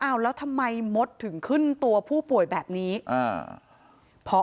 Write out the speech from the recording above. เอาแล้วทำไมมดถึงขึ้นตัวผู้ป่วยแบบนี้อ่าพอ